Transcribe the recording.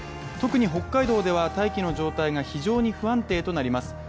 特に北海道では大気の状態が非常に不安定になります。